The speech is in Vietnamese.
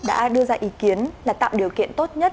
đã đưa ra ý kiến là tạo điều kiện tốt nhất